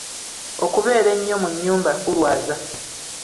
Okubeera ennyo mu nnyumba kulwaza.